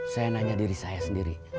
saya nanya diri saya sendiri